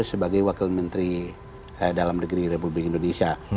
sebagai wakil menteri dalam negeri republik indonesia